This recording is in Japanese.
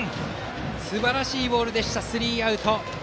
すばらしいボールでしたスリーアウト。